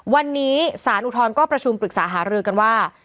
วันนี้สารอุทธรณ์ก็ประชุมปรึกษาหารือกันว่า